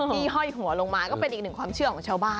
ห้อยหัวลงมาก็เป็นอีกหนึ่งความเชื่อของชาวบ้าน